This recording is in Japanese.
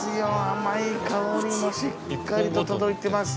甘い香りもしっかりと届いてます。